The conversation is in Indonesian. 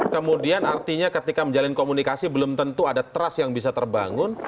kemudian artinya ketika menjalin komunikasi belum tentu ada trust yang bisa terbangun